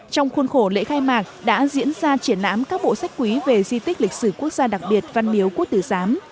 trong khuôn khổ lễ khai mạc đã diễn ra triển lãm các bộ sách quý về di tích lịch sử quốc gia đặc biệt văn miếu quốc tử giám